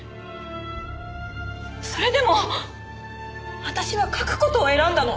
それでも私は書く事を選んだの。